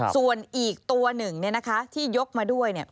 ส่วนอีกตัวหนึ่งที่ยกมาด้วย